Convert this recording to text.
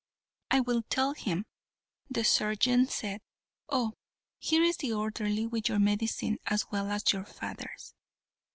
"I will tell him," the surgeon said. "Oh, here is the orderly with your medicine as well as your father's."